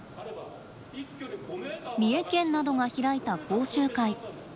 三重県などが開いた講習会。